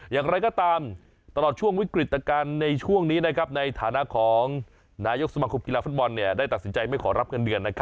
อย่างไรก็ตามตลอดช่วงวิกฤตการณ์ในช่วงนี้ในฐานะของนายกสมาคมกีฬาฟุตบอลได้ตัดสินใจไม่ขอรับเงินเดือน